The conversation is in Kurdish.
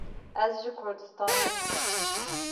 Ez ji Kurdistanê me